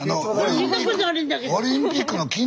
見たことあるんだけど。